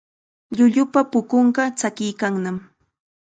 Llullupa pupunqa tsakiykannam.